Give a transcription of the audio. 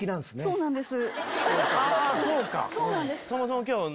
そうなんです。